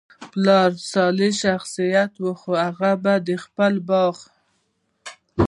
پلار ئي صالح شخص وو، هغه به د خپل باغ